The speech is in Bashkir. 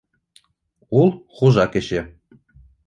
Ул — хужа кеше.